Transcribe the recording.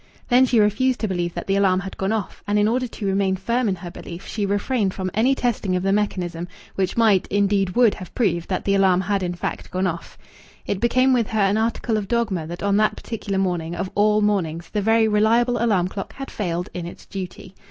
Then she refused to believe that the alarm had gone off, and in order to remain firm in her belief she refrained from any testing of the mechanism, which might indeed, would have proved that the alarm had in fact gone off. It became with her an article of dogma that on that particular morning, of all mornings, the very reliable alarm clock had failed in its duty.